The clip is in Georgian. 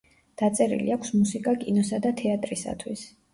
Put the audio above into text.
დაწერილი აქვს მუსიკა კინოსა და თეატრისათვის.